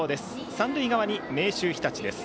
三塁側に明秀日立です。